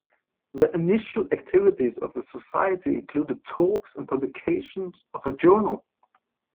The initial activities of the Society included talks and publication of a journal.